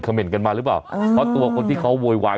เมนต์กันมาหรือเปล่าเพราะตัวคนที่เขาโวยวาย